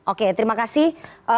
oke terima kasih